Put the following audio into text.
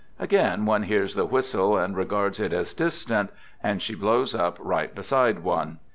Again one hears the whistle and re i gards it as distant — and she blows up right beside one.